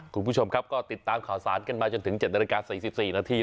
คุณผู้ชมครับก็ติดตามข่าวสารกันมาจนถึง๗นาฬิกา๔๔นาที